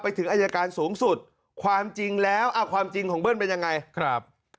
ถึงอายการสูงสุดความจริงแล้วอ่าความจริงของเบิ้ลเป็นยังไงครับ